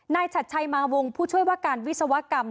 ฉัดชัยมาวงผู้ช่วยว่าการวิศวกรรม